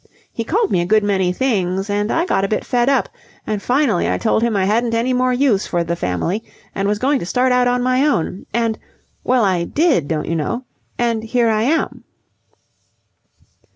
He called me a good many things, and I got a bit fed up, and finally I told him I hadn't any more use for the Family and was going to start out on my own. And well, I did, don't you know. And here I am."